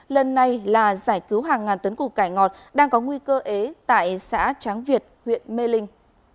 lần này là giải cứu hàng ngàn tấn củ cải ngọt đang có nguy cơ ế tại xã tráng việt huyện mê linh